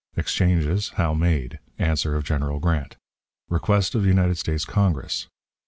Exchanges, how made. Answer of General Grant. Request of United States Congress.